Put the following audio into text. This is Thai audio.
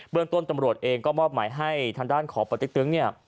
เรื่องต้นตำรวจเองก็มอบหมายให้ทางด้านขอปติ๊กตึ๊งเนี่ย